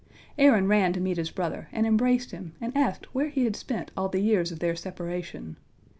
" Aaron ran to meet his brother, and embraced him, and asked where he had spent all the years of their separation.